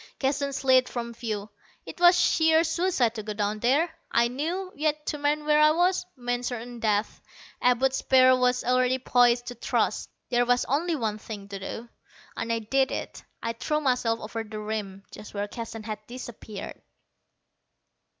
Keston slid from view. It was sheer suicide to go down there, I knew; yet, to remain where I was, meant certain death. Abud's spear was already poised to thrust. There was only one thing to do, and I did it. I threw myself over the rim, just where Keston had disappeared.